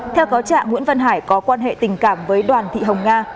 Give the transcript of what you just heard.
theo cáo trạng nguyễn văn hải có quan hệ tình cảm với đoàn thị hồng nga